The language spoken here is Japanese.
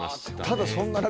ただそんな中。